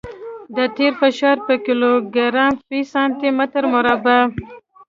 د ټیر فشار په کیلوګرام فی سانتي متر مربع دی